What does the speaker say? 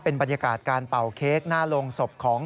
บรรยากาศการเป่าเค้กหน้าโรงศพของ